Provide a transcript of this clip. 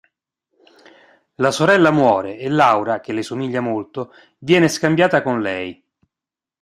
La sorella muore e Laura, che le somiglia molto, viene scambiata con lei.